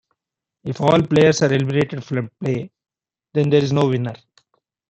If all players are eliminated from play, then there is no winner.